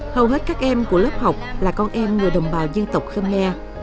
hầu hết các em của lớp học là con em người đồng bào dân tộc khmer